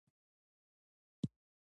سپوږمۍ په پښتو شاعري کښي یو سمبول دئ.